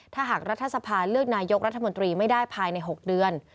ถ้าหากรัฐสภาเลือกนายกรัฐมนตรีไม่ได้ภายใน๖เดือน